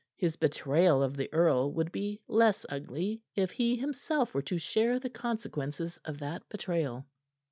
His betrayal of the earl would be less ugly if he, himself, were to share the consequences of that betrayal.